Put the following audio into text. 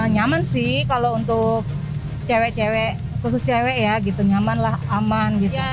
nyaman sih kalau untuk cewek cewek khusus cewek ya gitu nyaman lah aman gitu